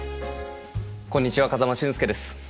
こんにちは風間俊介です。